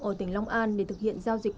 ở tỉnh long an để thực hiện giao dịch